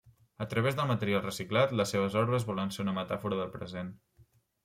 A través de material reciclat, les seves obres volen ser una metàfora del present.